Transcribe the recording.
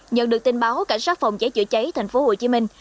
nhận được tin báo cảnh sát phòng cháy chữa cháy thành phố hồ chí minh